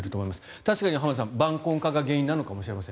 確かに浜田さん、晩婚化が原因なのかもしれません。